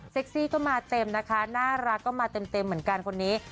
ซี่ก็มาเต็มนะคะน่ารักก็มาเต็มเหมือนกันคนนี้